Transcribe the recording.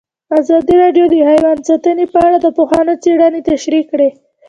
ازادي راډیو د حیوان ساتنه په اړه د پوهانو څېړنې تشریح کړې.